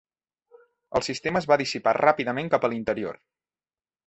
El sistema es va dissipar ràpidament cap a l'interior.